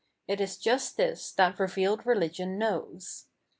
It is just this that revealed religion knows.